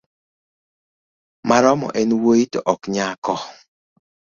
Maromo en wuoyi to ok nyako